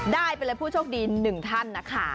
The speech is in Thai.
ได้ไปเลยผู้โชคดี๑ท่านนะคะ